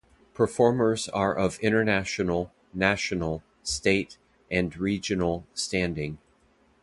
Performers are of international, national, state, and regional standing.